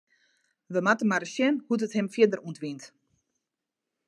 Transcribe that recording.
Wy moatte mar ris sjen hoe't it him fierder ûntwynt.